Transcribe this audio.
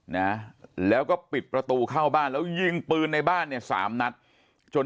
นะแล้วก็ปิดประตูเข้าบ้านแล้วยิงปืนในบ้านเนี่ยสามนัดจน